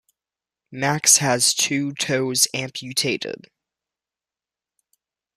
Max has two toes amputated.